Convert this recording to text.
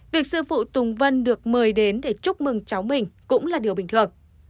việc sư phụ tùng vân được mời đến để chúc mừng cháu mình cũng là điều bình thường